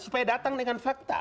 tidak punya fakta